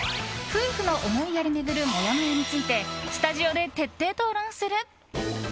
夫婦の思いやり巡るモヤモヤについてスタジオで徹底討論する。